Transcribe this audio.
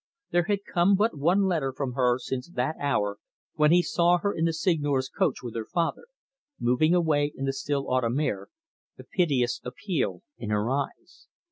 There had come but one letter from her since that hour when he saw her in the Seigneur's coach with her father, moving away in the still autumn air, a piteous appeal in her eyes.